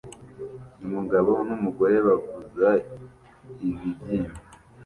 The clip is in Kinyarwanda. Umugabo numugore bavuza ibibyimba